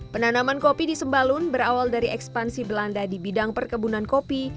penanaman kopi di sembalun berawal dari ekspansi belanda di bidang perkebunan kopi